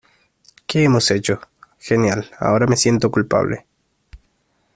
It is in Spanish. ¿ Qué hemos hecho? Genial, ahora me siento culpable.